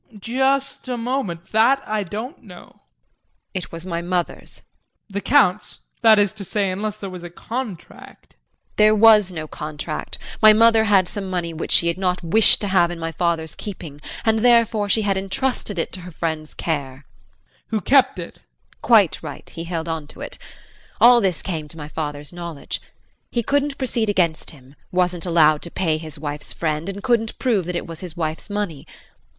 JEAN. Just a moment, that I don't know. JULIE. It was my mother's. JEAN. The Count's that is to say, unless there was a contract. JULIE. There was no contract. My mother had some money which she had not wished to have in my father's keeping and therefore, she had entrusted it to her friend's care. JEAN. Who kept it. JULIE. Quite right he held on to it. All this came to my father's knowledge. He couldn't proceed against him, wasn't allowed to pay his wife's friend, and couldn't prove that it was his wife's money.